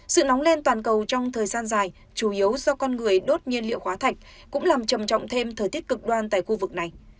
sự nóng lên toàn cầu trong thời gian dài chủ yếu do con người đốt nhiên liệu hóa thạch cũng làm trầm trọng thêm thời tiết cực đoan tại khu vực này